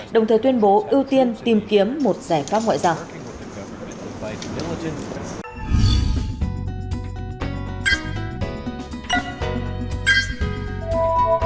đồng thời tuyên bố ưu tiên tìm kiếm một giải pháp ngoại giao